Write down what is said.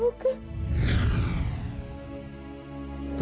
oka dapat mengerti